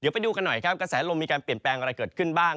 ไปดูกันหน่อยครับกระแสลมมีการเปลี่ยนแปลงอะไรเกิดขึ้นบ้าง